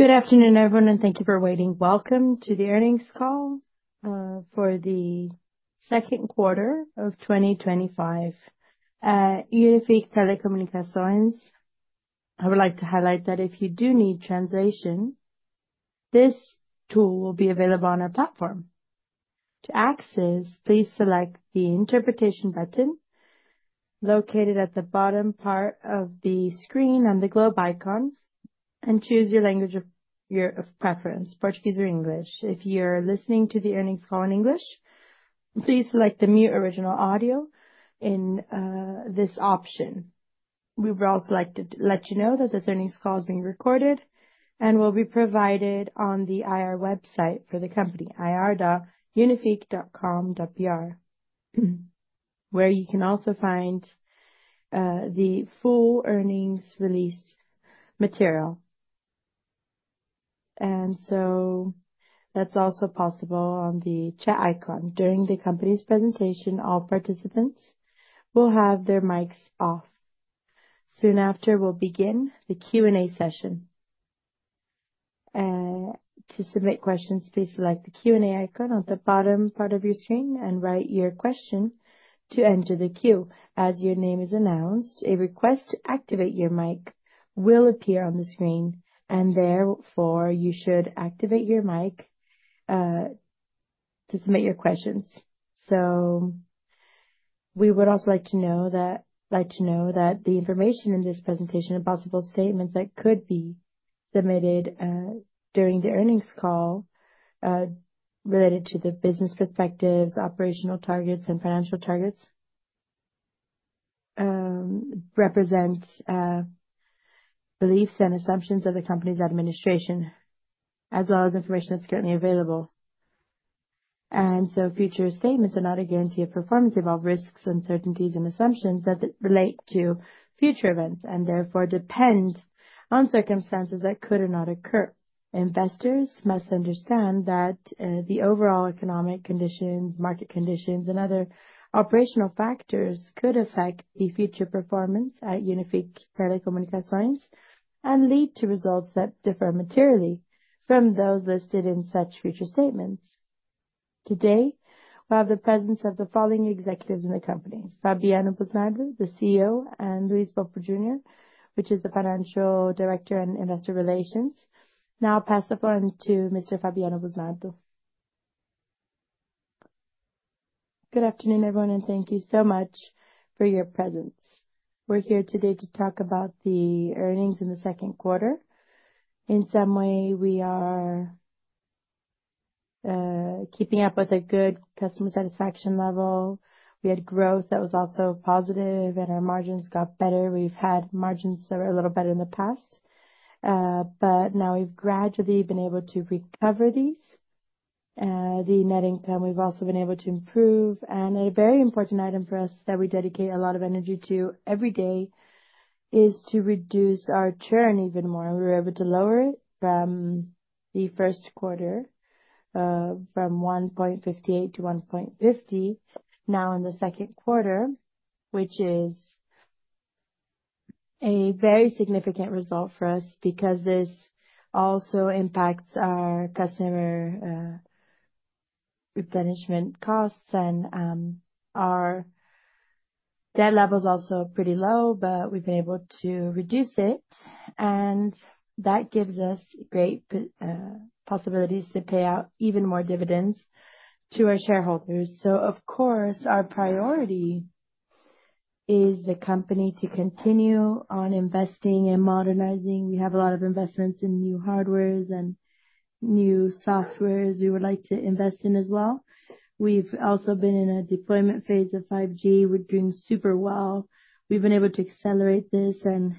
Good afternoon, everyone, and thank you for waiting. Welcome to the earnings call for the second quarter of 2025 at Unifique Telecomunicações. I would like to highlight that if you do need translation, this tool will be available on our platform. To access, please select the interpretation button located at the bottom part of the screen on the globe icon and choose your language of preference, Portuguese or English. If you're listening to the earnings call in English, please select the mute original audio in this option. We would also like to let you know that this earnings call is being recorded and will be provided on the IR website for the company, ir.unifique.com.br, where you can also find the full earnings release material. That's also possible on the chat icon. During the company's presentation, all participants will have their mics off. Soon after, we'll begin the Q&A session. To submit questions, please select the Q&A icon on the bottom part of your screen and write your question to enter the queue. As your name is announced, a request to activate your mic will appear on the screen, and therefore you should activate your mic to submit your questions. We would also like to know that like to know that the information in this presentation are possible statements that could be submitted during the earnings call related to the business perspectives, operational targets and financial targets represent beliefs and assumptions of the company's administration, as well as information that's currently available. Future statements are not a guarantee of performance, involve risks, uncertainties and assumptions that relate to future events, and therefore depend on circumstances that could or not occur. Investors must understand that, the overall economic conditions, market conditions and other operational factors could affect the future performance at Unifique Telecomunicações and lead to results that differ materially from those listed in such future statements. Today, we have the presence of the following executives in the company, Fabiano Busnardo, the CEO, and Luiz Bogo Junior, which is the Financial Director in Investor Relations. Now I'll pass the phone to Mr. Fabiano Busnardo. Good afternoon, everyone, and thank you so much for your presence. We're here today to talk about the earnings in the second quarter. In some way, we are keeping up with a good customer satisfaction level. We had growth that was also positive and our margins got better. We've had margins that were a little better in the past, but now we've gradually been able to recover these. The net income, we've also been able to improve. A very important item for us that we dedicate a lot of energy to every day is to reduce our churn even more. We were able to lower it from the first quarter, from 1.58%-1.50% now in the second quarter, which is a very significant result for us because this also impacts our customer replenishment costs. Our debt level is also pretty low, but we've been able to reduce it, and that gives us great possibilities to pay out even more dividends to our shareholders. Of course, our priority is the company to continue on investing and modernizing. We have a lot of investments in new hardware and new software we would like to invest in as well. We've also been in a deployment phase of 5G. We're doing super well. We've been able to accelerate this, and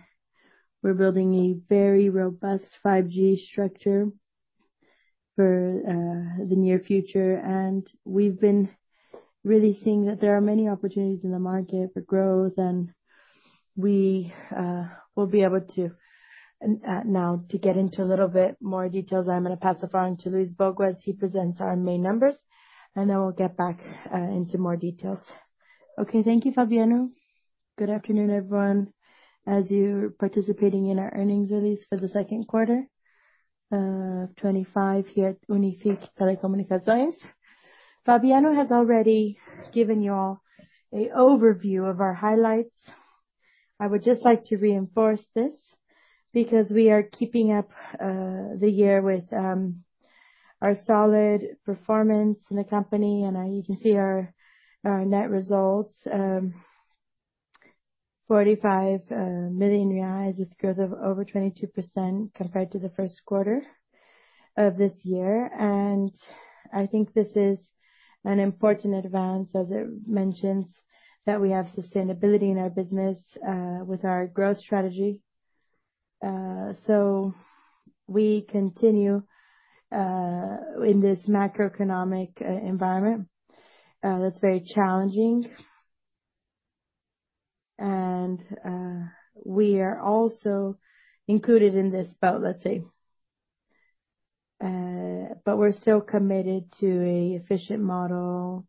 we're building a very robust 5G structure for the near future. We've been really seeing that there are many opportunities in the market for growth, and we will be able to. Now to get into a little bit more details, I'm gonna pass the phone to Luiz Bogo. He presents our main numbers, and then we'll get back into more details. Okay. Thank you, Fabiano. Good afternoon, everyone. As you're participating in our earnings release for the second quarter of 2025 here at Unifique Telecomunicações. Fabiano has already given you all an overview of our highlights. I would just like to reinforce this because we are keeping up the year with our solid performance in the company. You can see our net results, 45 million reais with growth of over 22% compared to the first quarter of this year. I think this is an important advance as it mentions that we have sustainability in our business with our growth strategy. We continue in this macroeconomic environment that's very challenging. We are also included in this boat, let's say. We're still committed to an efficient model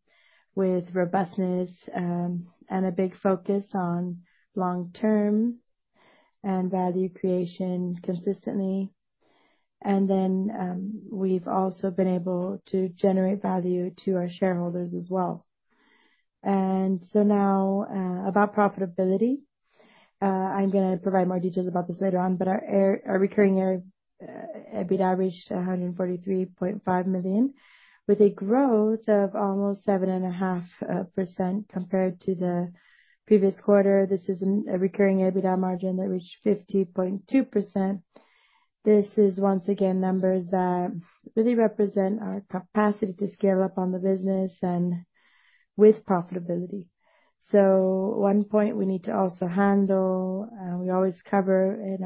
with robustness, and a big focus on long-term and value creation consistently. We've also been able to generate value to our shareholders as well. Now, about profitability, I'm gonna provide more details about this later on, but our recurring EBITDA reached 143.5 million, with a growth of almost 7.5% compared to the previous quarter. This is a recurring EBITDA margin that reached 50.2%. This is once again numbers that really represent our capacity to scale up on the business and with profitability. One point we need to also handle, we always cover in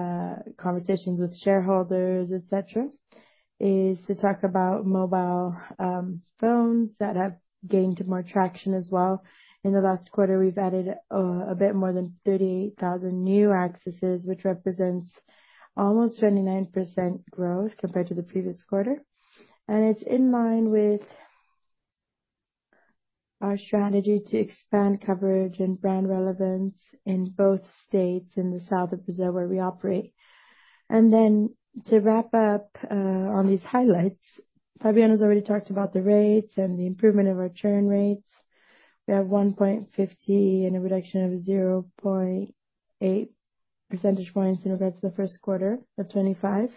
our conversations with shareholders, et cetera, is to talk about mobile phones that have gained more traction as well. In the last quarter, we've added a bit more than 38,000 new accesses, which represents almost 29% growth compared to the previous quarter. It's in line with our strategy to expand coverage and brand relevance in both states in the south of Brazil where we operate. To wrap up on these highlights, Fabiano has already talked about the rates and the improvement of our churn rates. We have 1.50% and a reduction of 0.8 percentage points in regards to the first quarter of 2025.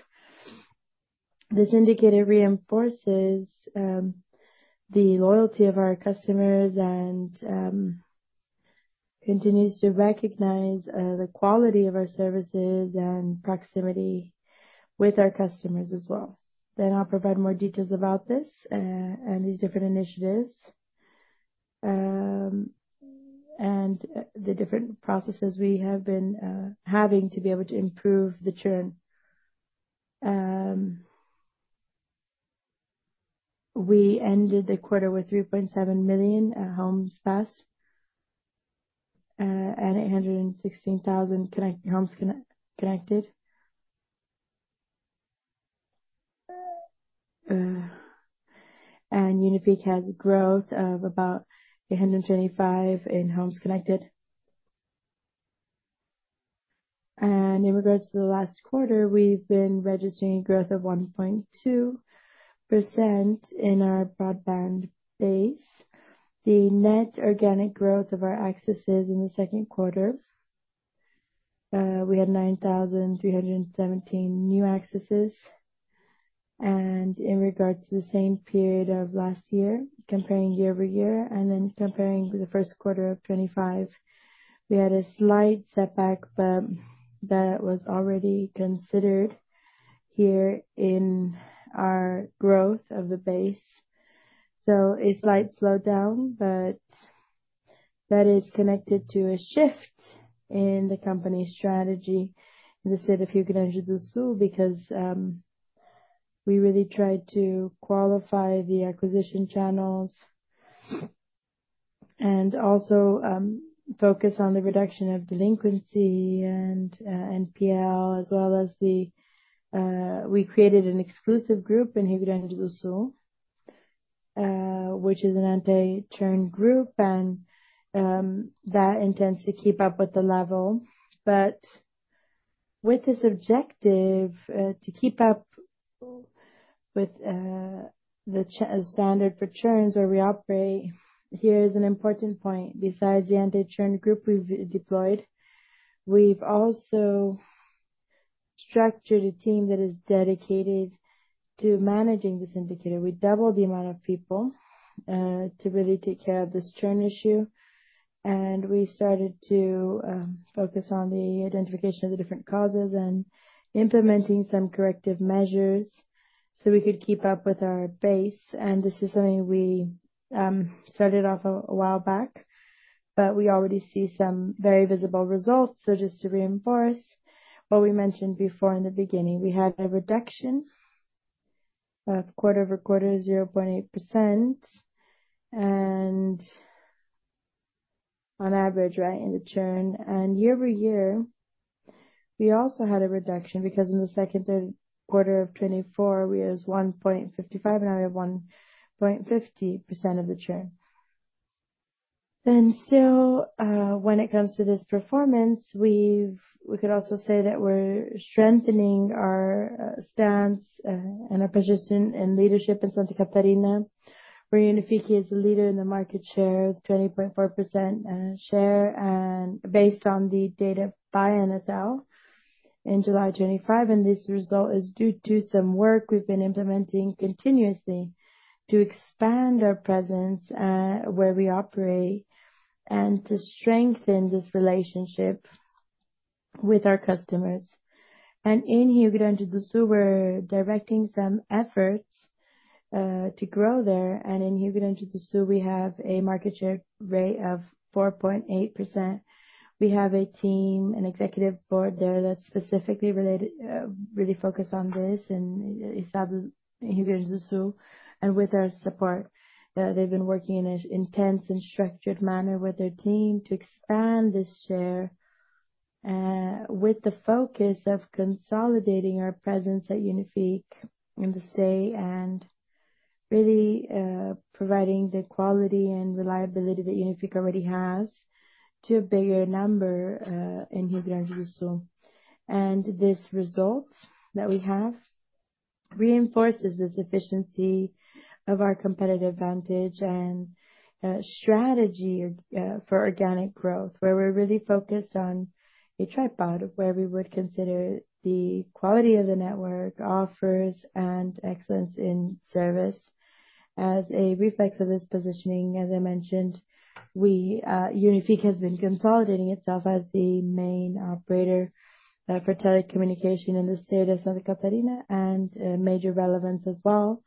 This indicator reinforces the loyalty of our customers and continues to recognize the quality of our services and proximity with our customers as well. I'll provide more details about this and these different initiatives and the different processes we have been having to be able to improve the churn. We ended the quarter with 3.7 million homes passed and 816,000 connected homes. Unifique has growth of about 825 in homes connected. In regards to the last quarter, we've been registering growth of 1.2% in our broadband base. The net organic growth of our accesses in the second quarter, we had 9,317 new accesses. In regards to the same period of last year, comparing year-over-year, and then comparing to the first quarter of 2025, we had a slight setback, but that was already considered here in our growth of the base. A slight slowdown, but that is connected to a shift in the company's strategy in the state of Rio Grande do Sul because we really tried to qualify the acquisition channels. Also, focus on the reduction of delinquency and NPL, as well as we created an exclusive group in Rio Grande do Sul, which is an anti-churn group, and that intends to keep up with the level. With this objective, to keep up with the standard for churns where we operate, here's an important point. Besides the anti-churn group we've deployed, we've also structured a team that is dedicated to managing this indicator. We doubled the amount of people to really take care of this churn issue. We started to focus on the identification of the different causes and implementing some corrective measures, so we could keep up with our base. This is something we started off a while back, but we already see some very visible results. Just to reinforce what we mentioned before in the beginning, we had a reduction quarter-over-quarter, 0.8%, and on average, right, in the churn. Year-over-year, we also had a reduction because in the second quarter of 2024, we was 1.55%, now we have 1.50% of the churn. When it comes to this performance, we could also say that we're strengthening our stance and our position in leadership in Santa Catarina, where Unifique is a leader in the market share with 20.4% share, and based on the data by Anatel in July of 2025. This result is due to some work we've been implementing continuously to expand our presence where we operate and to strengthen this relationship with our customers. In Rio Grande do Sul, we're directing some efforts to grow there. In Rio Grande do Sul, we have a market share rate of 4.8%. We have a team and executive board there that's specifically related, really focused on this in Rio Grande do Sul and with our support. They've been working in an intense and structured manner with their team to expand this share, with the focus of consolidating our presence at Unifique in the state and really providing the quality and reliability that Unifique already has to a bigger number in Rio Grande do Sul. This result that we have reinforces this efficiency of our competitive advantage and strategy for organic growth, where we're really focused on a tripod, where we would consider the quality of the network offers and excellence in service. As a reflex of this positioning, as I mentioned, we, Unifique has been consolidating itself as the main operator for telecommunications in the state of Santa Catarina and a major relevance as well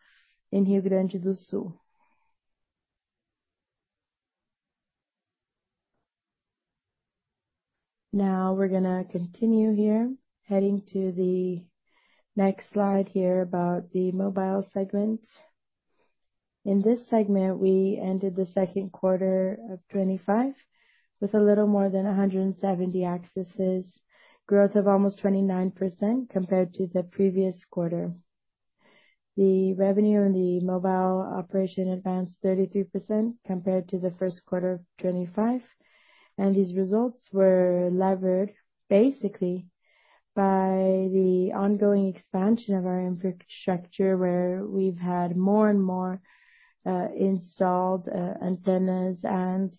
in Rio Grande do Sul. Now we're gonna continue here, heading to the next slide here about the mobile segment. In this segment, we ended the second quarter of 2025 with a little more than 170 accesses, growth of almost 29% compared to the previous quarter. The revenue in the mobile operation advanced 33% compared to the first quarter of 2025, and these results were leveraged basically by the ongoing expansion of our infrastructure, where we've had more and more installed antennas and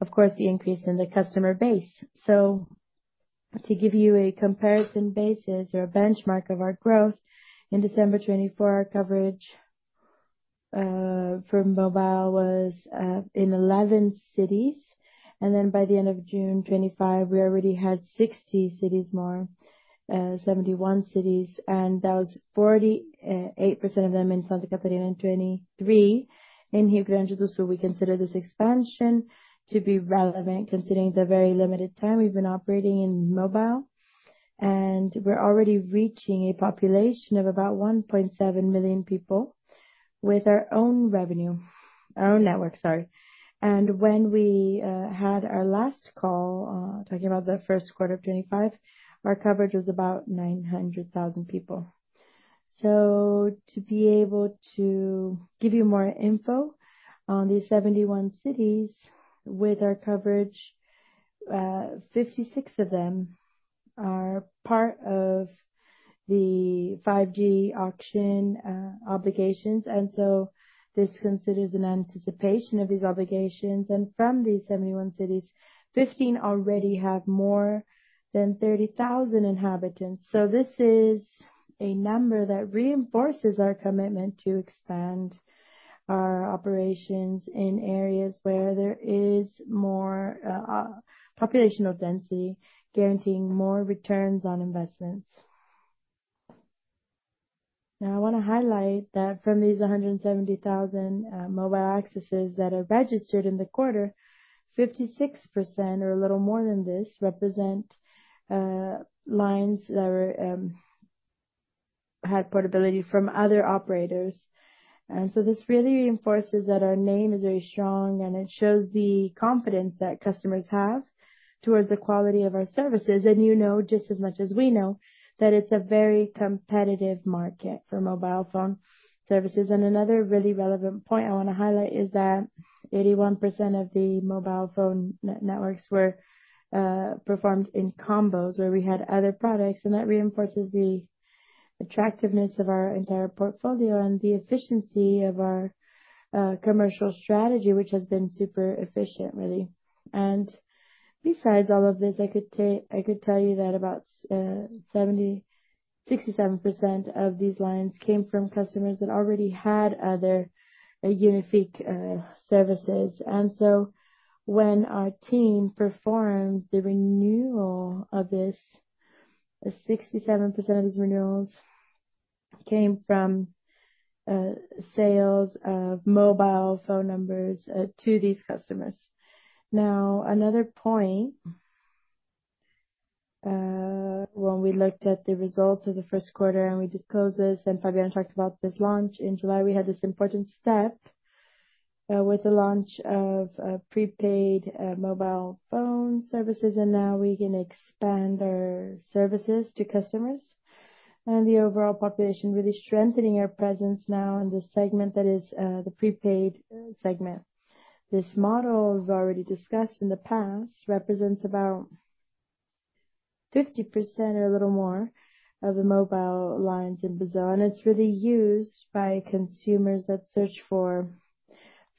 of course, the increase in the customer base. To give you a comparison basis or a benchmark of our growth, in December 2024, our coverage for mobile was in 11 cities. By the end of June 2025, we already had 60 cities more, 71 cities, and that was 48% of them in Santa Catarina and 23 in Rio Grande do Sul. We consider this expansion to be relevant considering the very limited time we've been operating in mobile. We're already reaching a population of about 1.7 million people with our own network. When we had our last call talking about the first quarter of 2025, our coverage was about 900,000 people. To be able to give you more info on these 71 cities with our coverage, 56 of them are part of the 5G auction obligations. This considers an anticipation of these obligations. From these 71 cities, 15 already have more than 30,000 inhabitants. This is a number that reinforces our commitment to expand our operations in areas where there is more population density, guaranteeing more returns on investments. Now, I wanna highlight that from these 170,000 mobile accesses that are registered in the quarter, 56% or a little more than this represent lines that are had portability from other operators. This really reinforces that our name is very strong, and it shows the confidence that customers have towards the quality of our services. You know just as much as we know that it's a very competitive market for mobile phone services. Another really relevant point I wanna highlight is that 81% of the mobile phone networks were performed in combos where we had other products, and that reinforces the attractiveness of our entire portfolio and the efficiency of our commercial strategy, which has been super efficient, really. Besides all of this, I could tell you that 67% of these lines came from customers that already had other Unifique services. When our team performed the renewal of this, 67% of these renewals came from sales of mobile phone numbers to these customers. Now, another point, when we looked at the results of the first quarter, and we disclosed this, and Fabiano talked about this launch. In July, we had this important step, with the launch of prepaid mobile phone services, and now we can expand our services to customers and the overall population, really strengthening our presence now in this segment that is the prepaid segment. This model we've already discussed in the past represents about 50% or a little more of the mobile lines in Brazil, and it's really used by consumers that search for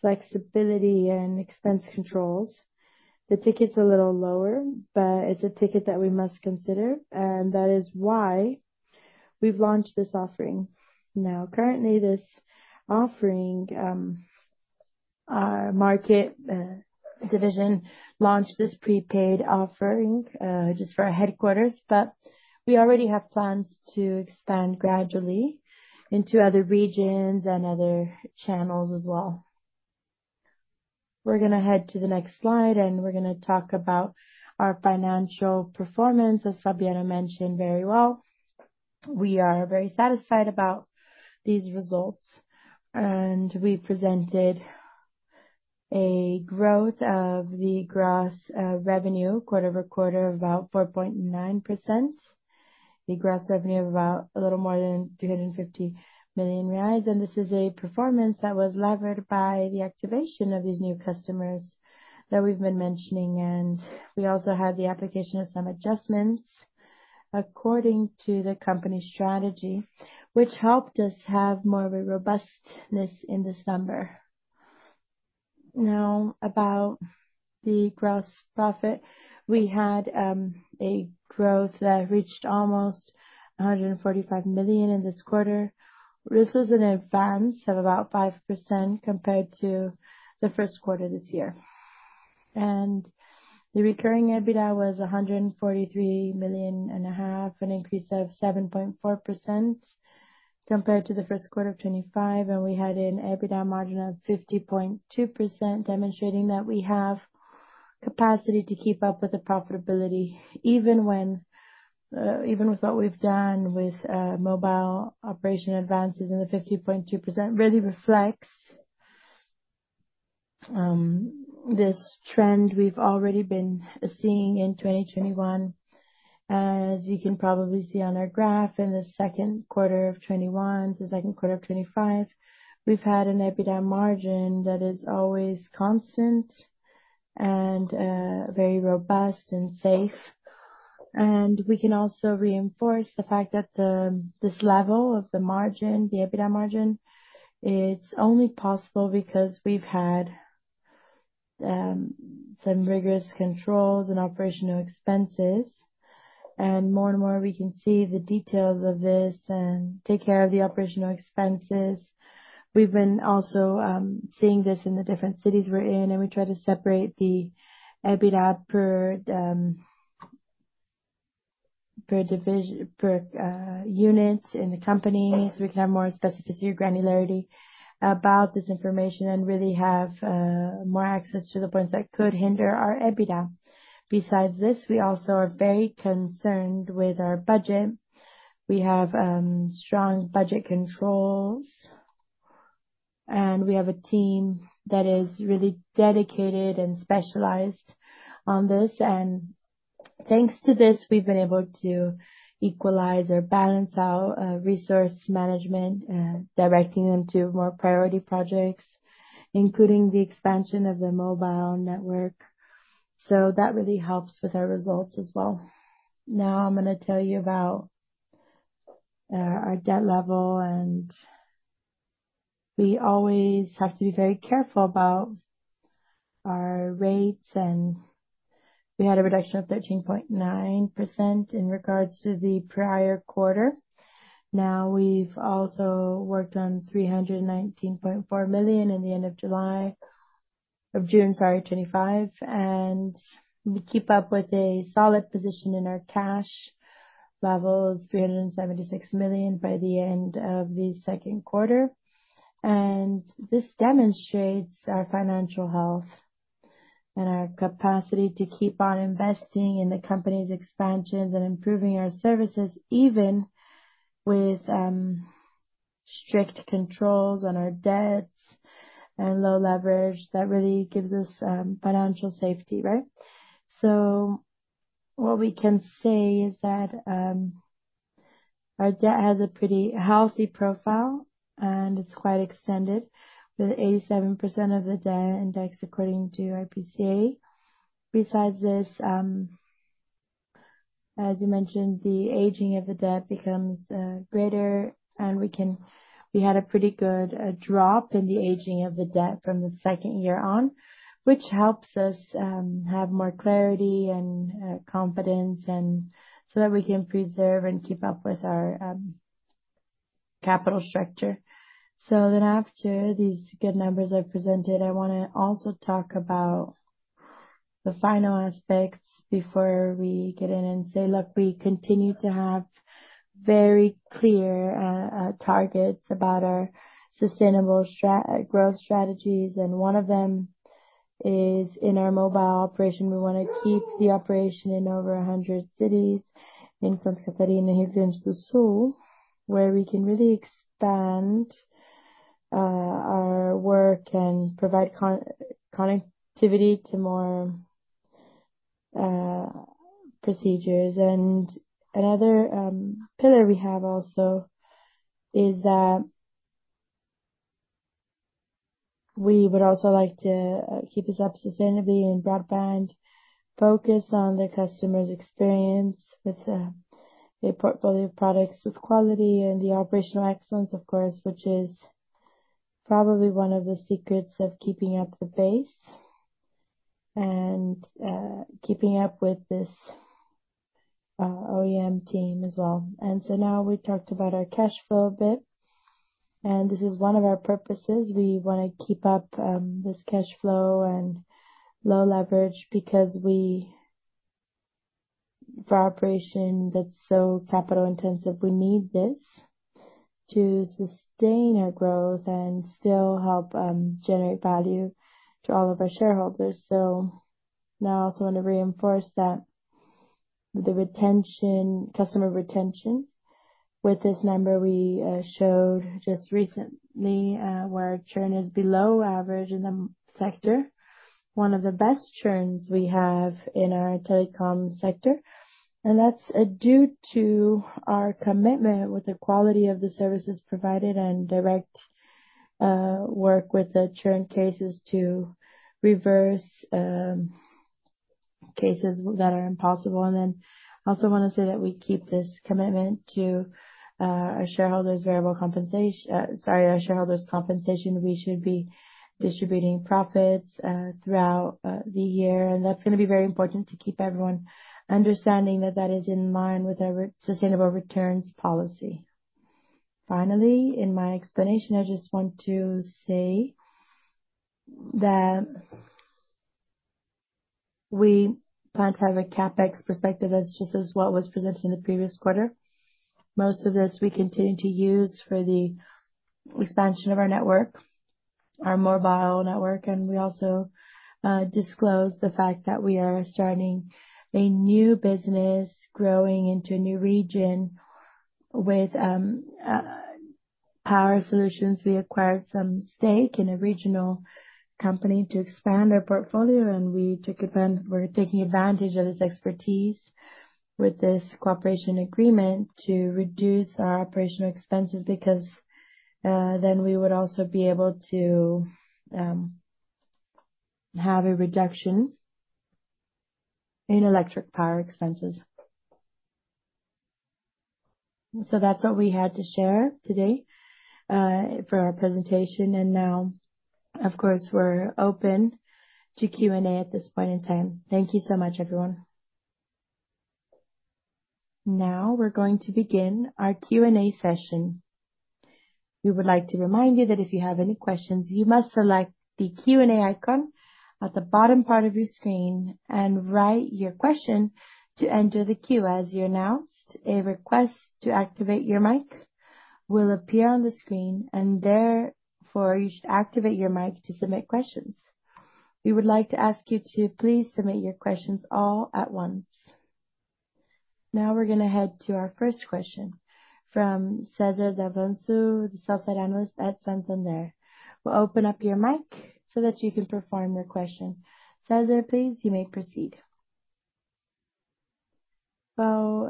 flexibility and expense controls. The ticket's a little lower, but it's a ticket that we must consider, and that is why we've launched this offering. Now, currently this offering, our market division launched this prepaid offering just for our headquarters, but we already have plans to expand gradually into other regions and other channels as well. We're gonna head to the next slide, and we're gonna talk about our financial performance. As Fabiano mentioned, very well. We are very satisfied about these results. We presented a growth of the gross revenue quarter-over-quarter of about 4.9%. The gross revenue of about a little more than 350 million reais, and this is a performance that was levered by the activation of these new customers that we've been mentioning. We also had the application of some adjustments according to the company's strategy, which helped us have more of a robustness in December. Now, about the gross profit, we had a growth that reached almost 145 million in this quarter. This is an advance of about 5% compared to the first quarter this year. The recurring EBITDA was 143.5 million, an increase of 7.4% compared to the first quarter of 2025. We had an EBITDA margin of 50.2%, demonstrating that we have capacity to keep up with the profitability even when even with what we've done with mobile operation advances, and the 50.2% really reflects this trend we've already been seeing in 2021. As you can probably see on our graph, in the second quarter of 2021 to the second quarter of 2025, we've had an EBITDA margin that is always constant and very robust and safe. We can also reinforce the fact that this level of the margin, the EBITDA margin, it's only possible because we've had some rigorous controls in operational expenses. More and more we can see the details of this and take care of the operational expenses. We've been also seeing this in the different cities we're in, and we try to separate the EBITDA per unit in the company, so we can have more specificity or granularity about this information and really have more access to the points that could hinder our EBITDA. Besides this, we also are very concerned with our budget. We have strong budget controls, and we have a team that is really dedicated and specialized on this. Thanks to this, we've been able to equalize or balance our resource management, directing them to more priority projects, including the expansion of the mobile network. That really helps with our results as well. Now I'm gonna tell you about our debt level, and we always have to be very careful about our rates, and we had a reduction of 13.9% in regards to the prior quarter. Now we've also worked on 319.4 million in the end of June 2025. We keep up with a solid position in our cash levels, 376 million by the end of the second quarter. This demonstrates our financial health and our capacity to keep on investing in the company's expansions and improving our services, even with strict controls on our debts and low leverage. That really gives us financial safety, right? What we can say is that our debt has a pretty healthy profile, and it's quite extended with 87% of the debt indexed according to IPCA. Besides this, as you mentioned, the aging of the debt becomes greater, and we had a pretty good drop in the aging of the debt from the second year on, which helps us have more clarity and confidence and so that we can preserve and keep up with our capital structure. After these good numbers are presented, I wanna also talk about the final aspects before we get in and say, look, we continue to have very clear targets about our sustainable growth strategies, and one of them is in our mobile operation. We wanna keep the operation in over 100 cities in Santa Catarina and Rio Grande do Sul, where we can really expand our work and provide connectivity to more people. Another pillar we have also is that we would also like to keep this up sustainably in broadband, focus on the customer's experience with a portfolio of products with quality and the operational excellence, of course, which is probably one of the secrets of keeping up the base and keeping up with this OEM team as well. Now we talked about our cash flow a bit, and this is one of our purposes. We wanna keep up this cash flow and low leverage because for operation that's so capital-intensive, we need this to sustain our growth and still help generate value to all of our shareholders. Now I also wanna reinforce that the retention, customer retention. With this number we showed just recently where our churn is below average in the sector. One of the best churns we have in our telecom sector. That's due to our commitment with the quality of the services provided and direct work with the churn cases to reverse cases that are impossible. I also wanna say that we keep this commitment to our shareholders' compensation. We should be distributing profits throughout the year. That's gonna be very important to keep everyone understanding that that is in line with our sustainable returns policy. Finally, in my explanation, I just want to say that we plan to have a CapEx perspective. That's just as what was presented in the previous quarter. Most of this we continue to use for the expansion of our network, our mobile network. We also disclose the fact that we are starting a new business, growing into a new region with power solutions. We acquired some stake in a regional company to expand our portfolio. We're taking advantage of this expertise with this cooperation agreement to reduce our operational expenses, because then we would also be able to have a reduction in electric power expenses. That's what we had to share today for our presentation. Now, of course, we're open to Q&A at this point in time. Thank you so much, everyone. Now we're going to begin our Q&A session. We would like to remind you that if you have any questions, you must select the Q&A icon at the bottom part of your screen and write your question to enter the queue. As you're announced, a request to activate your mic will appear on the screen, and therefore, you should activate your mic to submit questions. We would like to ask you to please submit your questions all at once. Now we're gonna head to our first question from César Davanço, the Sell-side Analyst at Santander. We'll open up your mic so that you can perform your question. César, please, you may proceed. Well,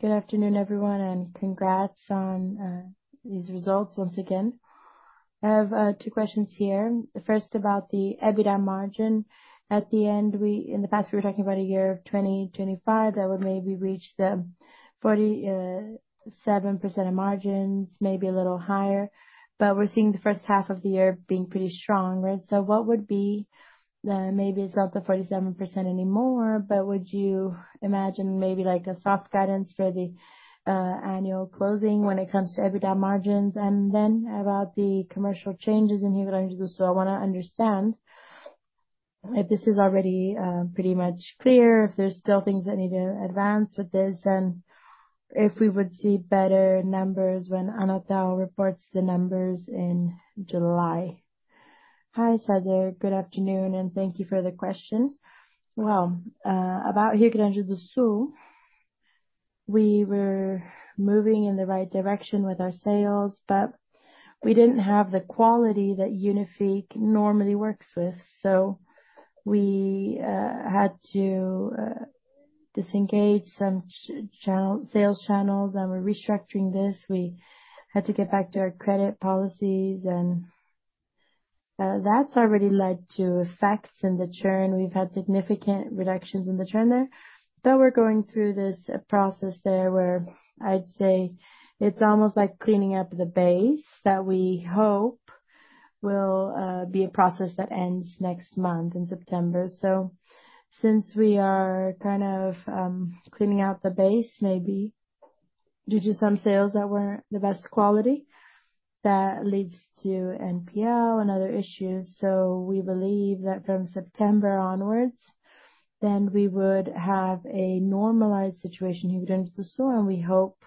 good afternoon, everyone, and congrats on these results once again. I have two questions here. The first about the EBITDA margin. In the past, we were talking about a year of 2025 that would maybe reach the 47% of margins, maybe a little higher. We're seeing the first half of the year being pretty strong, right? What would be the maybe it's not the 47% anymore, but would you imagine maybe like a soft guidance for the annual closing when it comes to EBITDA margins? Then about the commercial changes in Rio Grande do Sul. I wanna understand if this is already pretty much clear, if there's still things that need to advance with this, and if we would see better numbers when Anatel reports the numbers in July. Hi, César. Good afternoon, and thank you for the question. Well, about Rio Grande do Sul, we were moving in the right direction with our sales, but we didn't have the quality that Unifique normally works with. We had to disengage some sales channels, and we're restructuring this. We had to get back to our credit policies and that's already led to effects in the churn. We've had significant reductions in the churn there. Though we're going through this process there where I'd say it's almost like cleaning up the base that we hope will be a process that ends next month in September. Since we are kind of cleaning out the base, maybe due to some sales that weren't the best quality, that leads to NPL and other issues. We believe that from September onwards we would have a normalized situation in Rio Grande do Sul, and we hope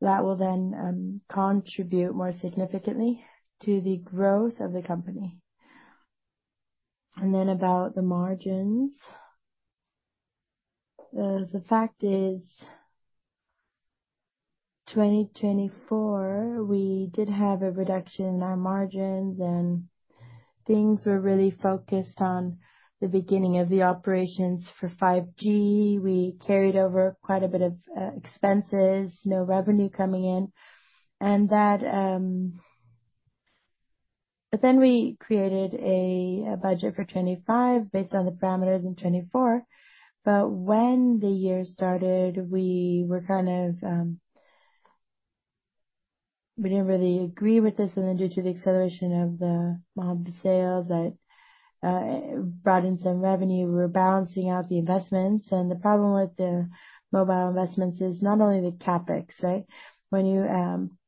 that will contribute more significantly to the growth of the company. About the margins. The fact is, 2024, we did have a reduction in our margins, and things were really focused on the beginning of the operations for 5G. We carried over quite a bit of expenses, no revenue coming in. We created a budget for 2025 based on the parameters in 2024. When the year started, we were kind of. We didn't really agree with this. Due to the acceleration of the mobile sales that brought in some revenue, we were balancing out the investments. The problem with the mobile investments is not only the CapEx, right? When you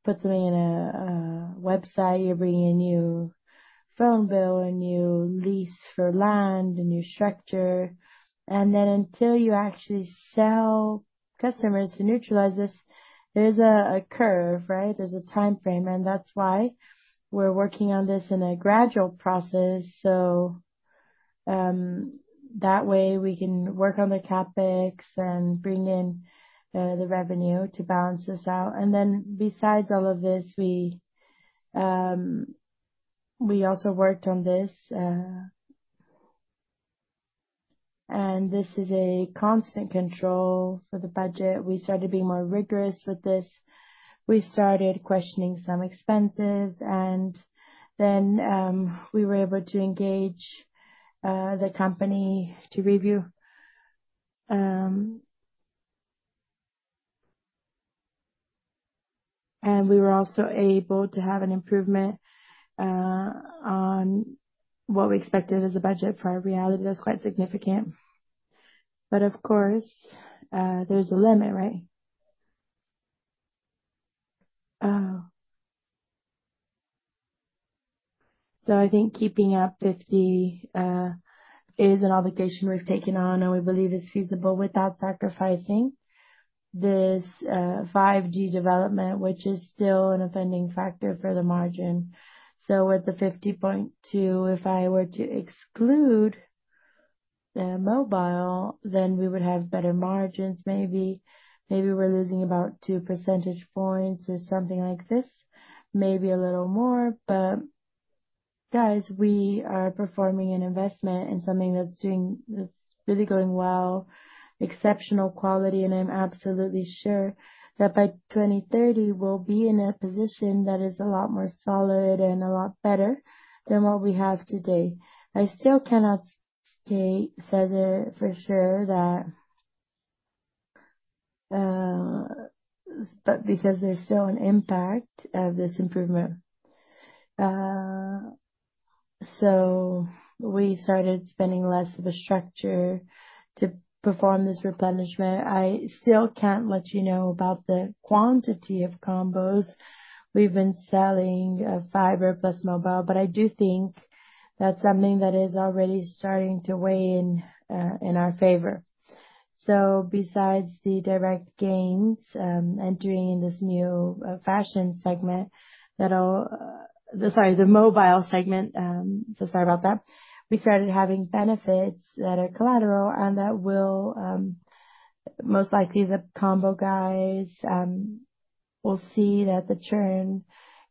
put something in a website, you're bringing a new phone bill, a new lease for land, a new structure. Until you actually sell to customers to neutralize this. There's a curve, right? There's a timeframe, and that's why we're working on this in a gradual process. That way, we can work on the CapEx and bring in the revenue to balance this out. Besides all of this, we also worked on this. This is a constant control for the budget. We started being more rigorous with this. We started questioning some expenses, and then we were able to engage the company to review. We were also able to have an improvement on what we expected as a budget for our reality. That's quite significant. Of course, there's a limit, right? I think keeping up 50% is an obligation we've taken on, and we believe it's feasible without sacrificing this 5G development, which is still an offending factor for the margin. With the 50.2%, if I were to exclude the mobile, then we would have better margins maybe. Maybe we're losing about 2 percentage points or something like this, maybe a little more. Guys, we are performing an investment in something that's really going well, exceptional quality. I'm absolutely sure that by 2030 we'll be in a position that is a lot more solid and a lot better than what we have today. I still cannot state, César, for sure that because there's still an impact of this improvement. We started spending less of a structure to perform this replenishment. I still can't let you know about the quantity of combos we've been selling, fiber plus mobile, but I do think that's something that is already starting to weigh in our favor. Besides the direct gains, entering this new mobile segment. Sorry about that. We started having benefits that are collateral and that will most likely the combo guys will see that the churn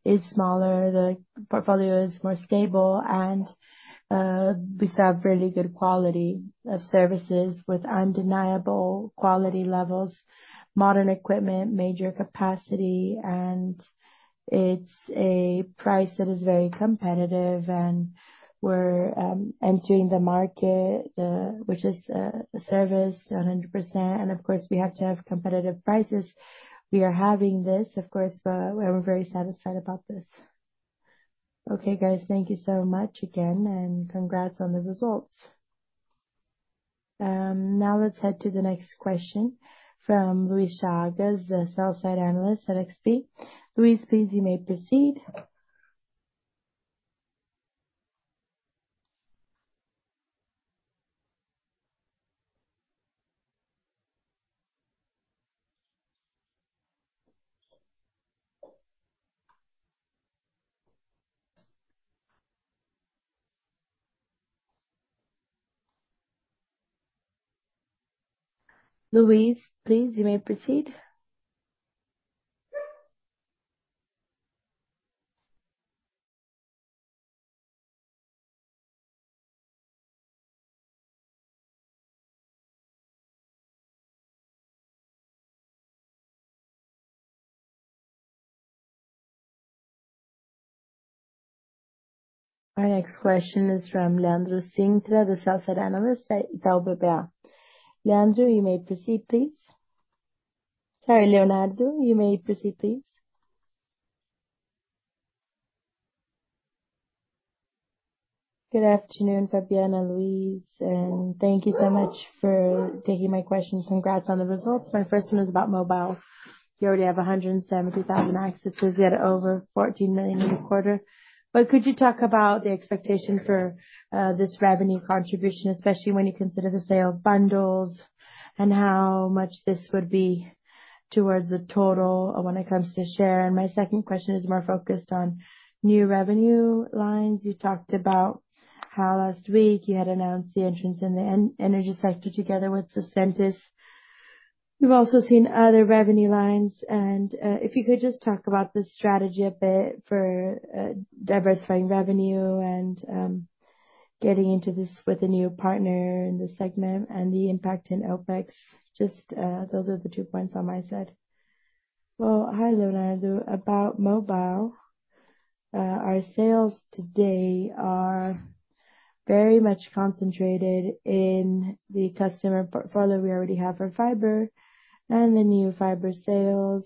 is smaller, the portfolio is more stable, and we serve really good quality of services with undeniable quality levels, modern equipment, major capacity. It's a price that is very competitive and we're entering the market, which is a service 100%. Of course, we have to have competitive prices. We are having this, of course, but we're very satisfied about this. Okay, guys. Thank you so much again and congrats on the results. Now let's head to the next question from Luís Chagas, the sell-side analyst at XP. Luís, please, you may proceed. Our next question is from Leonardo Cintra, the sell-side analyst at Itaú BBA. Leonardo, you may proceed, please. Good afternoon, Fabiano, Luiz, and thank you so much for taking my questions. Congrats on the results. My first one is about mobile. You already have 170,000 accesses, yet over 14 million in the quarter. Could you talk about the expectation for this revenue contribution, especially when you consider the sale of bundles and how much this would be towards the total when it comes to share? My second question is more focused on new revenue lines. You talked about how last week you had announced the entrance in the energy sector together with Suscentis. We've also seen other revenue lines and if you could just talk about the strategy a bit for diversifying revenue and getting into this with a new partner in this segment and the impact in OpEx. Just those are the two points on my side. Well, hi, Leonardo. About mobile, our sales today are very much concentrated in the customer portfolio we already have for fiber and the new fiber sales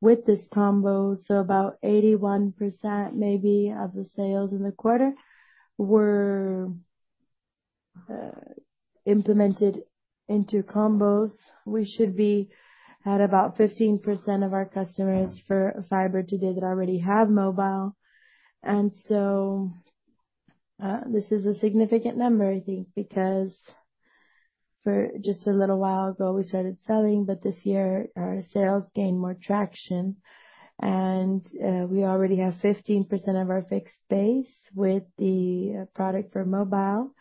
with this combo. So about 81% maybe of the sales in the quarter were implemented into combos. We should be at about 15% of our customers for fiber today that already have mobile. This is a significant number, I think, because just a little while ago we started selling, but this year our sales gained more traction and we already have 15% of our fixed base with the product for mobile.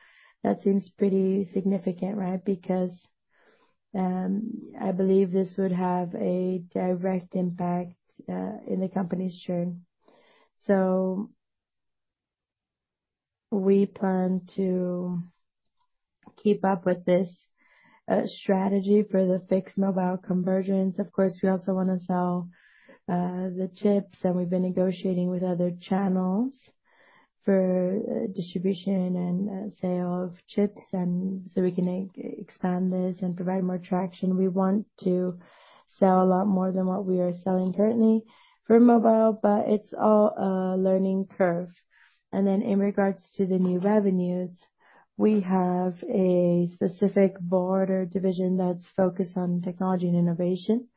That seems pretty significant, right? Because I believe this would have a direct impact in the company's churn. We plan to keep up with this strategy for the fixed mobile convergence. Of course, we also wanna sell the chips, and we've been negotiating with other channels for distribution and sale of chips, and so we can expand this and provide more traction. We want to sell a lot more than what we are selling currently for mobile, but it's all a learning curve. In regards to the new revenues, we have a specific board or division that's focused on technology and innovation.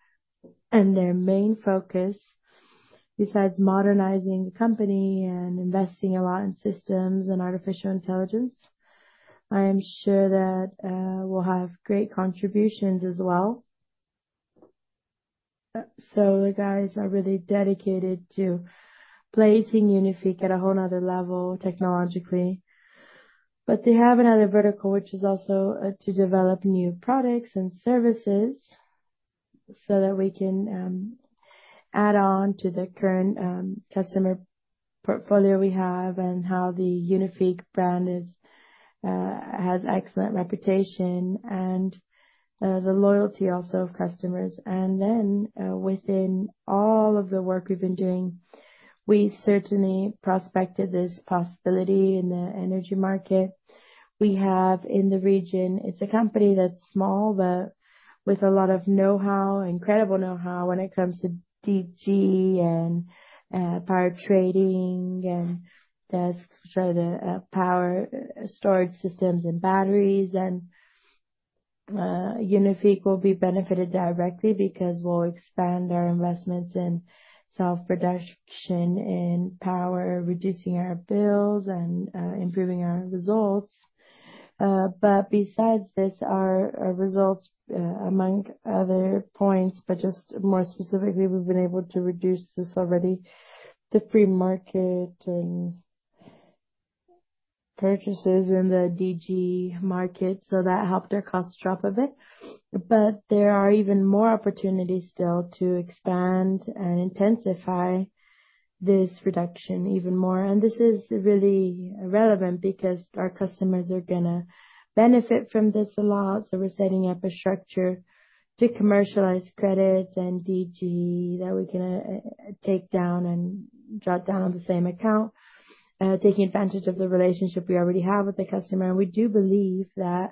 Their main focus, besides modernizing the company and investing a lot in systems and artificial intelligence, I am sure that we'll have great contributions as well. The guys are really dedicated to placing Unifique at a whole another level technologically. They have another vertical, which is also to develop new products and services so that we can add on to the current customer portfolio we have and how the Unifique brand is has excellent reputation and the loyalty also of customers. Within all of the work we've been doing, we certainly prospected this possibility in the energy market. We have in the region; it's a company that's small, but with a lot of know-how, incredible know-how when it comes to DG and power trading and desks for the power storage systems and batteries. Unifique will be benefited directly because we'll expand our investments in self-production and power, reducing our bills and improving our results. Besides this, our results, among other points, but just more specifically, we've been able to reduce this already, the free market and purchases in the DG market, so that helped our costs drop a bit. There are even more opportunities still to expand and intensify this reduction even more. This is really relevant because our customers are gonna benefit from this a lot, so we're setting up a structure to commercialize credits and DG that we can take down and drop down on the same account, taking advantage of the relationship we already have with the customer. We do believe that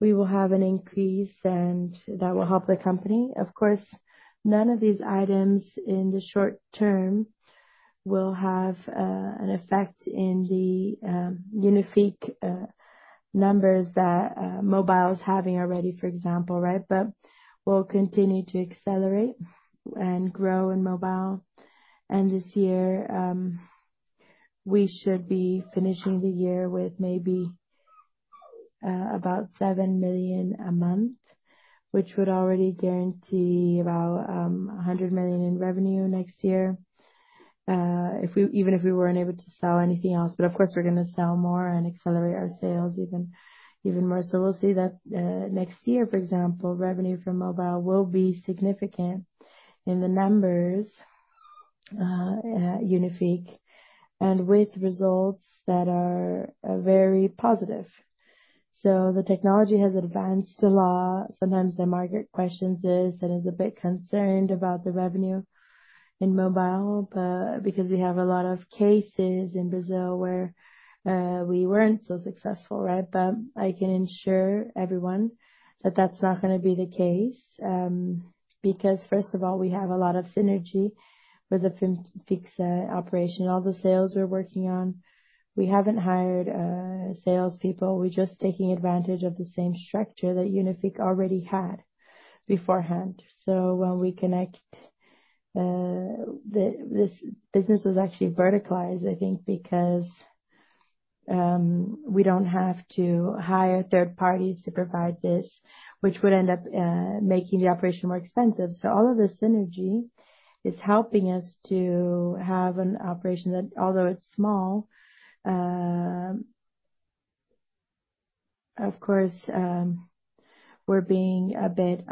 we will have an increase, and that will help the company. Of course, none of these items in the short term will have an effect in the Unifique numbers that mobile is having already, for example, right? We'll continue to accelerate and grow in mobile. This year we should be finishing the year with maybe about 7 million a month, which would already guarantee about 100 million in revenue next year. Even if we weren't able to sell anything else. Of course, we're gonna sell more and accelerate our sales even more. We'll see that next year, for example, revenue from mobile will be significant in the numbers at Unifique and with results that are very positive. The technology has advanced a lot. Sometimes the market questions this and is a bit concerned about the revenue in mobile, but because we have a lot of cases in Brazil where we weren't so successful, right? I can assure everyone that that's not gonna be the case, because first of all, we have a lot of synergy with the fixed operation. All the sales we're working on, we haven't hired sales people. We're just taking advantage of the same structure that Unifique already had beforehand. When we connect, this business is actually verticalized, I think, because we don't have to hire third parties to provide this, which would end up making the operation more expensive. All of the synergy is helping us to have an operation that although it's small, of course, we're being a bit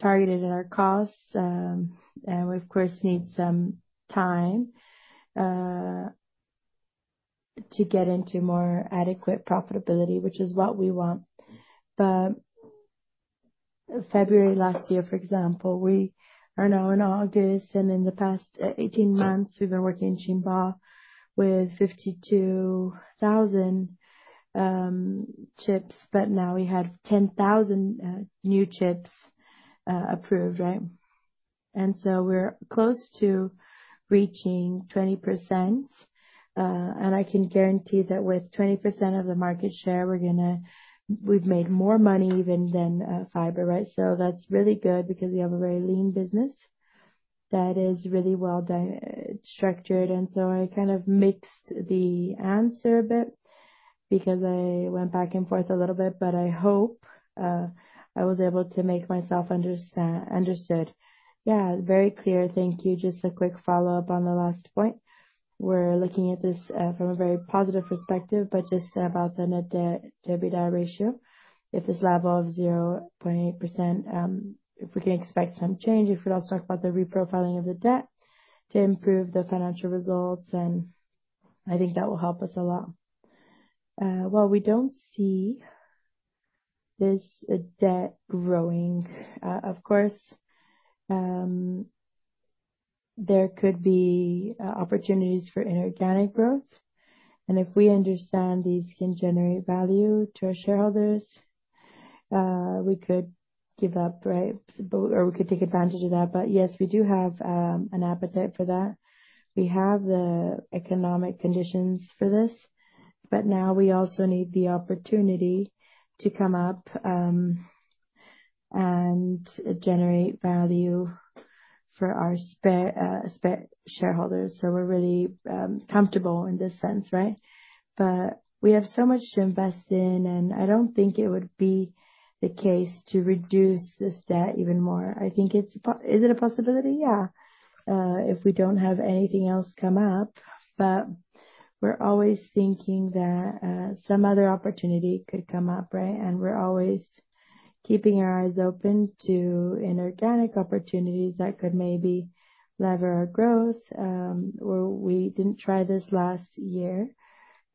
targeted at our costs. We of course need some time to get into more adequate profitability, which is what we want. February last year, for example, we are now in August, and in the past 18 months we've been working in Timbó with 52,000 chips, but now we have 10,000 new chips approved, right? We're close to reaching 20%. I can guarantee that with 20% of the market share, we've made more money even than fiber, right? That's really good because we have a very lean business. That is really well structured. I kind of mixed the answer a bit because I went back and forth a little bit, but I hope I was able to make myself understood. Yeah, very clear. Thank you. Just a quick follow-up on the last point. We're looking at this from a very positive perspective, but just about the net debt to EBITDA ratio. If this level of 0.8%, if we can expect some change. If we'd also talk about the reprofiling of the debt to improve the financial results, and I think that will help us a lot. Well, we don't see this debt growing. Of course, there could be opportunities for inorganic growth. If we understand these can generate value to our shareholders, we could gear up, right? We could take advantage of that. Yes, we do have an appetite for that. We have the economic conditions for this, but now we also need the opportunity to come up and generate value for our shareholders. We're really comfortable in this sense, right? We have so much to invest in, and I don't think it would be the case to reduce this debt even more. I think it's possible. Is it a possibility? Yeah. If we don't have anything else come up, we're always thinking that some other opportunity could come up, right? We're always keeping our eyes open to inorganic opportunities that could maybe leverage our growth. We didn't try this last year,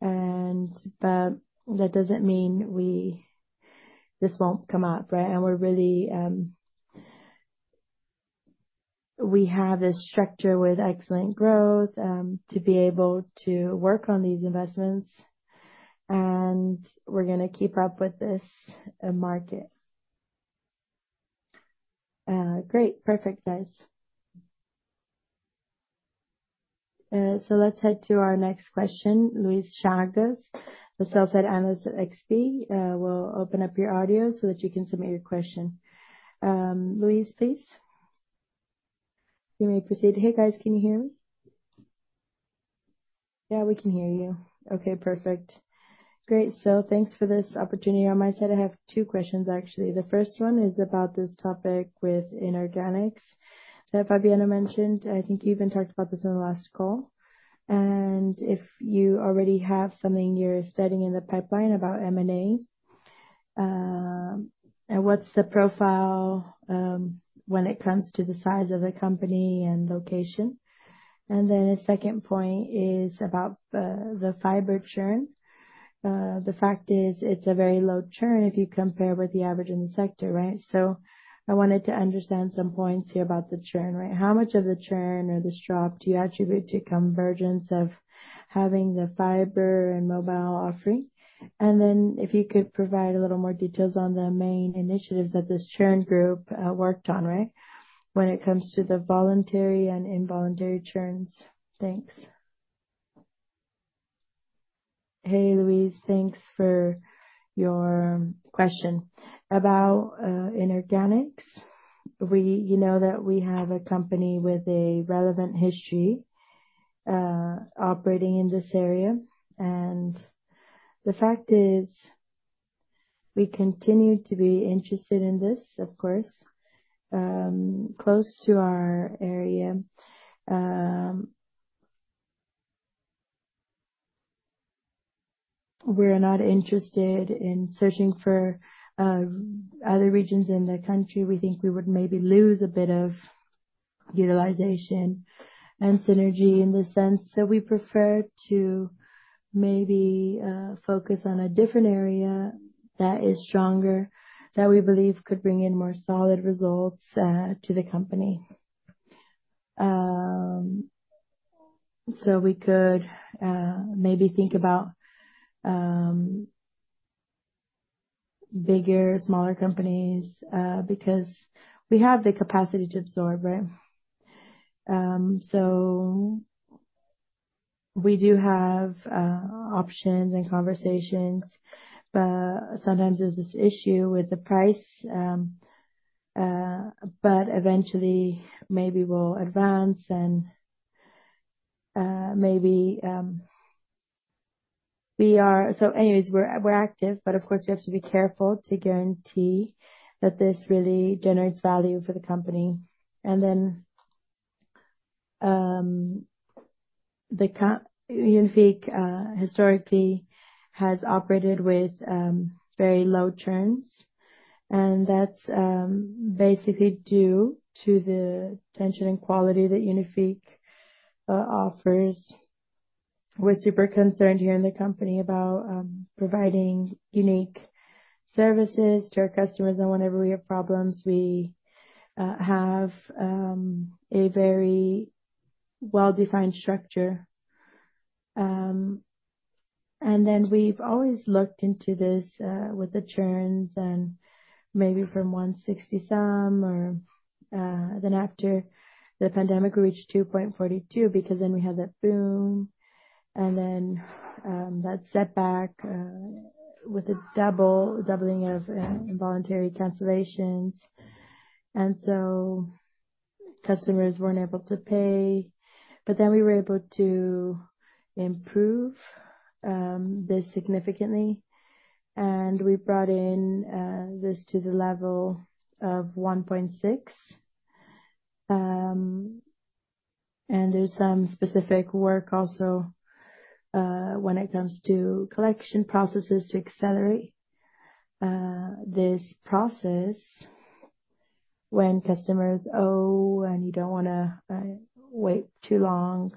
but that doesn't mean this won't come up, right? We have a structure with excellent growth to be able to work on these investments, and we're gonna keep up with this market. Great. Perfect, guys. Let's head to our next question. Luís Chagas, the sell-side analyst at XP. We'll open up your audio so that you can submit your question. Luís, please. You may proceed. Hey, guys. Can you hear me? Yeah, we can hear you. Okay, perfect. Great. Thanks for this opportunity. On my side, I have two questions, actually. The first one is about this topic with inorganics that Fabiano mentioned. I think you even talked about this on the last call. If you already have something you're studying in the pipeline about M&A, and what's the profile, when it comes to the size of the company and location. The second point is about the fiber churn. The fact is it's a very low churn if you compare with the average in the sector, right? I wanted to understand some points here about the churn, right? How much of the churn or this drop do you attribute to convergence of having the fiber and mobile offering? If you could provide a little more details on the main initiatives that this churn group worked on, right? When it comes to the voluntary and involuntary churns. Thanks. Hey, Luis. Thanks for your question. About inorganics. You know that we have a company with a relevant history operating in this area. The fact is we continue to be interested in this, of course, close to our area. We're not interested in searching for other regions in the country. We think we would maybe lose a bit of utilization and synergy in this sense. We prefer to maybe focus on a different area that is stronger, that we believe could bring in more solid results to the company. We could maybe think about bigger, smaller companies because we have the capacity to absorb, right? We do have options and conversations, but sometimes there's this issue with the price. Eventually, maybe we'll advance, and maybe we're active, but of course, we have to be careful to guarantee that this really generates value for the company. Unifique historically has operated with very low churns, and that's basically due to the attention and quality that Unifique offers. We're super concerned here in the company about providing unique services to our customers, and whenever we have problems, we have a very well-defined structure. We've always looked into this with the churns, and maybe from 1.60% or so, then after the pandemic, we reached 2.42% because then we had that boom, and then that setback with the doubling of involuntary cancellations, and so customers weren't able to pay. We were able to improve this significantly, and we brought in this to the level of 1.6. There's some specific work also when it comes to collection processes to accelerate this process when customers owe and you don't wanna wait too long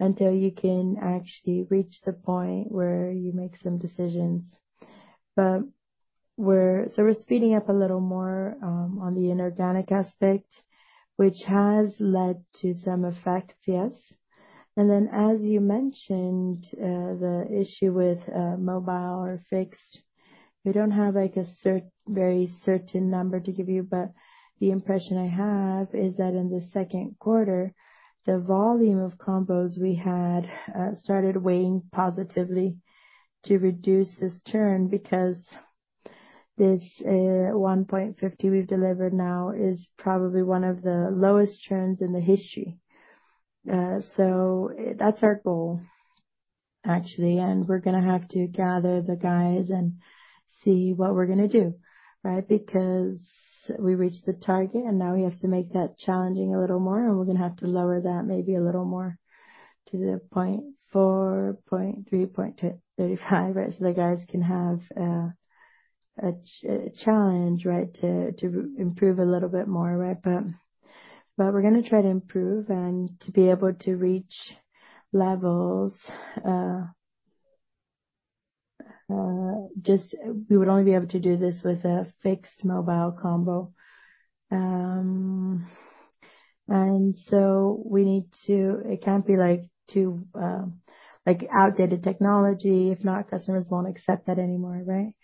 until you can actually reach the point where you make some decisions. We're speeding up a little more on the inorganic aspect, which has led to some effects, yes. As you mentioned, the issue with mobile or fixed, we don't have, like, a very certain number to give you, but the impression I have is that in the second quarter, the volume of combos we had started weighing positively to reduce this churn because this 1.50% we've delivered now is probably one of the lowest churns in the history. That's our goal, actually, and we're gonna have to gather the guys and see what we're gonna do, right? Because we reached the target, and now we have to make that challenging a little more, and we're gonna have to lower that maybe a little more to the 0.4%, 0.3%, 0.35%, right? So the guys can have a challenge, right, to improve a little bit more, right? We're gonna try to improve and to be able to reach levels. Just we would only be able to do this with a fixed mobile combo. It can't be like too outdated technology. If not, customers won't accept that anymore, right?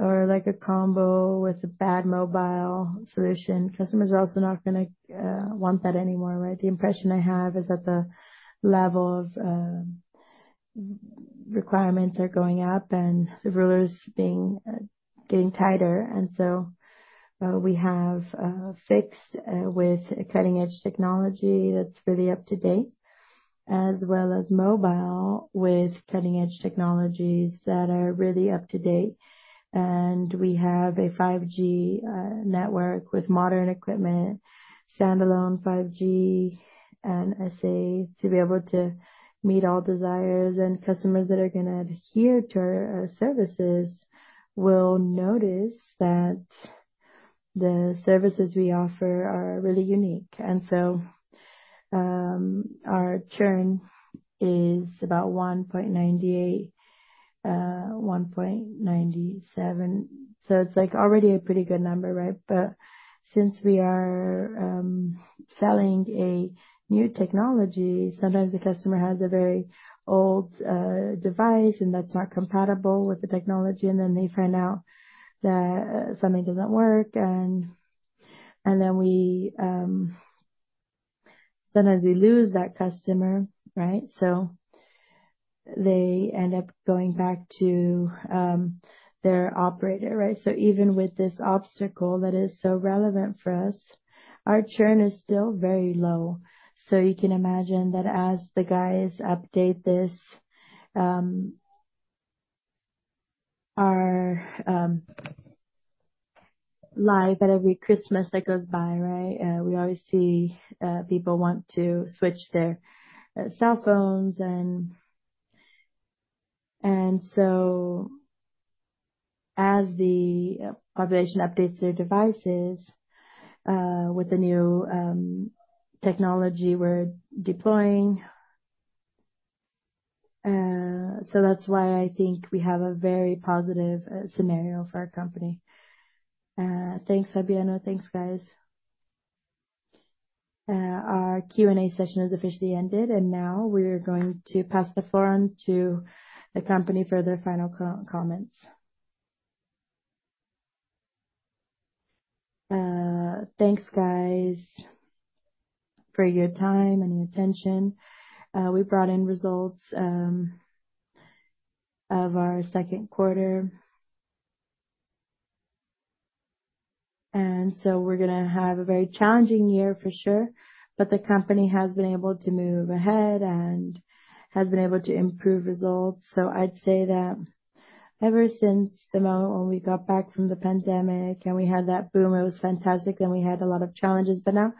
Or like a combo with a bad mobile solution. Customers are also not gonna want that anymore, right? The impression I have is that the level of requirements are going up and the rules are getting tighter. We have fixed with cutting-edge technology that's really up-to-date, as well as mobile with cutting-edge technologies that are really up-to-date. We have a 5G network with modern equipment, standalone 5G and SA to be able to meet all desires. Customers that are gonna adhere to our services will notice that the services we offer are really unique. Our churn is about 1.98%, 1.97%. It's, like, already a pretty good number, right? Since we are selling a new technology, sometimes the customer has a very old device and that's not compatible with the technology, and then they find out that something doesn't work, and then we sometimes lose that customer, right? They end up going back to their operator, right? Even with this obstacle that is so relevant for us, our churn is still very low. You can imagine that as the guys update their devices every Christmas that goes by, right? We always see people want to switch their cell phones, and so as the population updates their devices with the new technology we're deploying. That's why I think we have a very positive scenario for our company. Thanks, Fabiano. Thanks, guys. Our Q&A session has officially ended, and now we're going to pass the floor to the company for their final comments. Thanks, guys, for your time and your attention. We brought in results of our second quarter. We're gonna have a very challenging year for sure, but the company has been able to move ahead and has been able to improve results. I'd say that ever since the moment when we got back from the pandemic and we had that boom, it was fantastic, and we had a lot of challenges. Now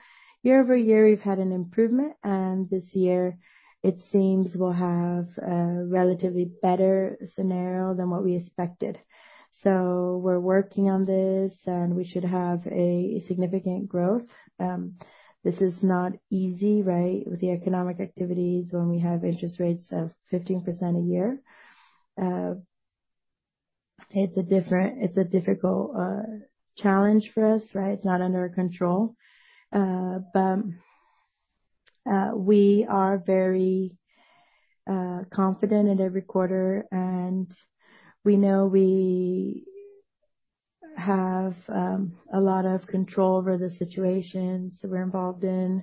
year-over-year, we've had an improvement, and this year it seems we'll have a relatively better scenario than what we expected. We're working on this, and we should have a significant growth. This is not easy, right? With the economic activities when we have interest rates of 15% a year. It's a difficult challenge for us, right? It's not under our control. We are very confident in every quarter, and we know we have a lot of control over the situations we're involved in.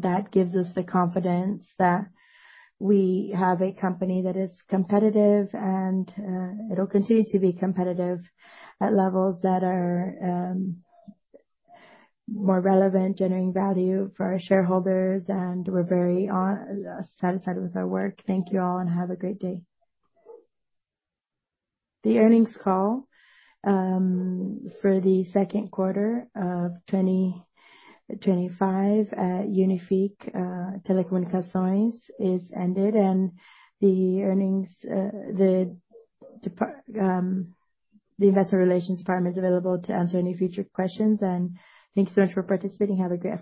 That gives us the confidence that we have a company that is competitive and it'll continue to be competitive at levels that are more relevant, generating value for our shareholders, and we're very satisfied with our work. Thank you all, and have a great day. The earnings call for the second quarter of 2025 at Unifique Telecomunicações is ended, and the investor relations department is available to answer any future questions. Thank you so much for participating. Have a great afternoon.